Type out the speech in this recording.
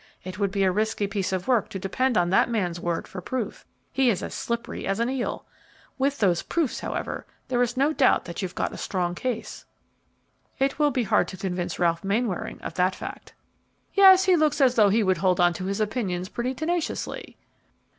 It would be a risky piece of work to depend on that man's word for proof; he is as slippery as an eel. With those proofs, however, there is no doubt but that you've got a strong case." "It will be hard to convince Ralph Mainwaring of that fact." "Yes, he looks as though he would hold on to his opinions pretty tenaciously."